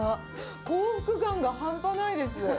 幸福感が半端ないです。